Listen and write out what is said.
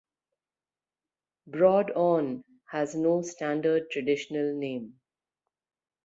Broad On has no standard traditional name.